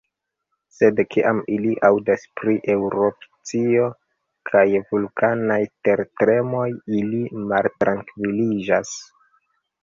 Sed kiam ili aŭdas pri erupcioj kaj vulkanaj tertremoj, ili maltrankviliĝas.